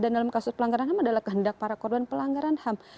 dan dalam kasus pelanggaran ham adalah kehendak para korban pelanggaran ham